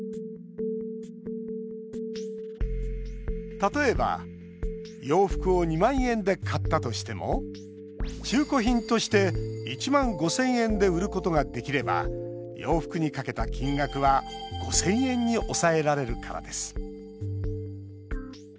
例えば洋服を２万円で買ったとしても中古品として１万５０００円で売ることができれば洋服にかけた金額は５０００円に抑えられるからです。